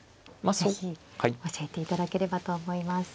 是非教えていただければと思います。